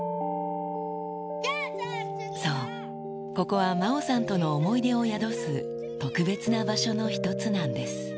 そう、ここは麻央さんとの思い出を宿す特別な場所の一つなんです。